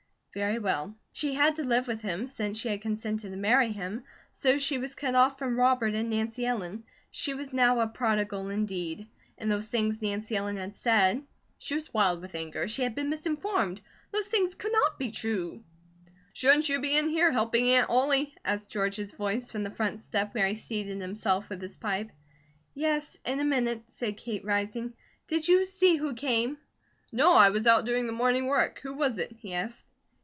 Very well. She had to live with him, since she had consented to marry him, so she was cut off from Robert and Nancy Ellen. She was now a prodigal, indeed. And those things Nancy Ellen had said she was wild with anger. She had been misinformed. Those things could not be true. "Shouldn't you be in here helping Aunt Ollie?" asked George's voice from the front step where he seated himself with his pipe. "Yes, in a minute," said Kate, rising. "Did you see who came?" "No. I was out doing the morning work. Who was it?" he asked.